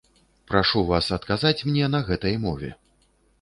Прашу вас адказаць мне на гэтай мове.